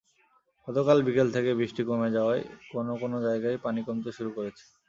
গতকাল বিকেল থেকে বৃষ্টি কমে যাওয়ায় কোনো কোনো জায়গায় পানি কমতে শুরু করেছে।